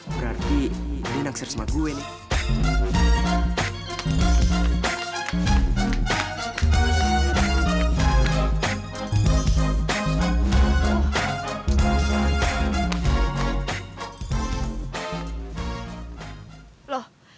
berarti dia nangser sama gue nih